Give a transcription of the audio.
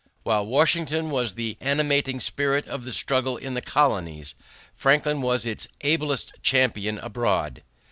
While Washington was the animating spirit of the struggle in the colonies, Franklin was its ablest champion abroad.